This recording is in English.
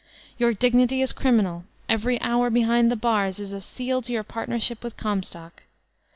Your dignity b criminal; every hour behind the bars is a seal to your partnership with Comstock.